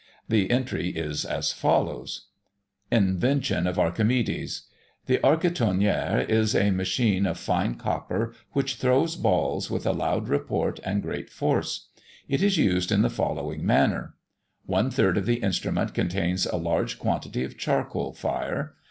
The entry is as follows: Invention of Archimedes. The architonnere is a machine of fine copper, which throws balls with a loud report and great force. It is used in the following manner: One third of the instrument contains a large quantity of charcoal fire.